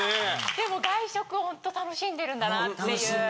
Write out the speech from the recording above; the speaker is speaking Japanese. でも外食ホント楽しんでるんだなっていう。